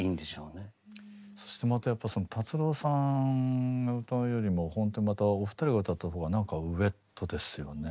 そしてまたやっぱ達郎さんが歌うよりもほんとまたお二人が歌うとなんかウエットですよね。